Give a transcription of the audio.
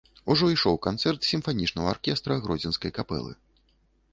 Ужо ішоў канцэрт сімфанічнага аркестра гродзенскай капэлы.